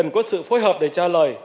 có sự phối hợp để trả lời